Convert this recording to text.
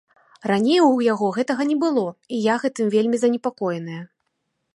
Раней у яго гэтага не было і я гэтым вельмі занепакоеная.